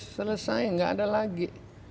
selesai gak ada lagi